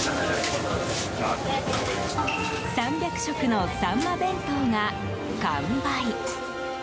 ３００食のサンマ弁当が完売。